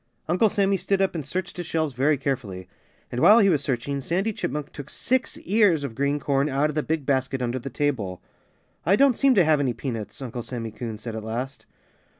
Uncle Sammy stood up and searched his shelves very carefully. And while he was searching, Sandy Chipmunk took six ears of green corn out of the big basket under the table. "I don't seem to have any peanuts," Uncle Sammy Coon said at last.